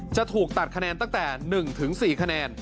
จะถูกตัดคะแนนตั้งแต่๑๔คะแนน